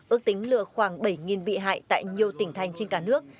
ước tính lừa khoảng bảy bị hại tại nhiều tỉnh thành trên cả nước